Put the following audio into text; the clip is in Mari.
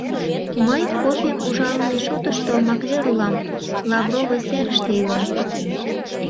“Мый кофем ужалыме шотышто маклер улам, Лавровый серыште илем...”